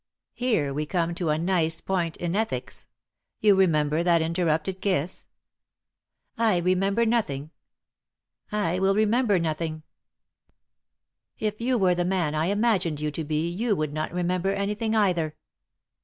Here we come to a nice point in ethics. You remember that interrupted kiss ?" "I remember nothing, I will remember nothing — if you were the ma n I imagined you to be you would not remember anything either."